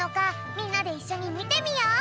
みんなでいっしょにみてみよう。